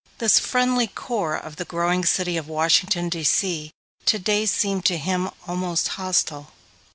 This friendly core of the growing city of Washington, D.C., today seemed to him almost hostile.